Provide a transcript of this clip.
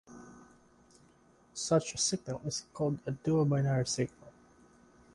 Such a signal is called a duobinary signal.